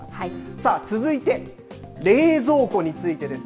さあ続いて、冷蔵庫についてです。